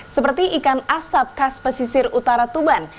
seperti ikan asap khas pesisir utara tuban